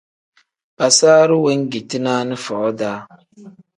Basaru wengeti naani foo-daa.